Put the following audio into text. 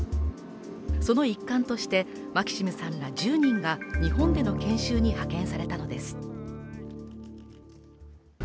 その一環として、マキシムさんら１０人が日本での研修に派遣されたのです。